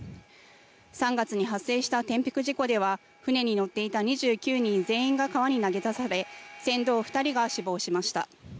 ３月に発生した転覆事故では船に乗っていた２９人全員が川に投げ出され船頭２人が死亡しました。